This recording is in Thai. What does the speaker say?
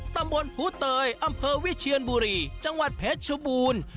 ตำบลภูเตยอำเภอวิเชียนบุรีจังหวัดเพชรชบูรณ์